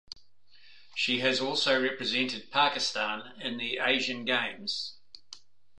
She has also represented Pakistan in the Asian games.